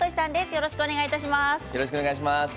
よろしくお願いします。